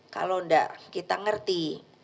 kalau nggak kita ngerti